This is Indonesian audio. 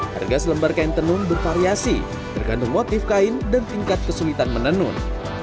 harga selembar kain tenun bervariasi tergantung motif kain dan tingkat kesulitan menenun